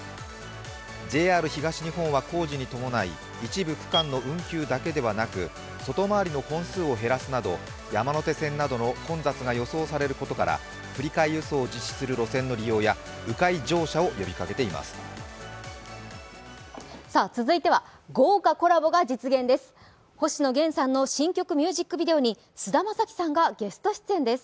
ＪＲ東日本は工事に伴い、一部区間の運休だけではなく外回りの本数を減らすなど山手線などの混雑が予想されることから、振り替え輸送を実施する路線の利用やう回乗車を呼びかけています。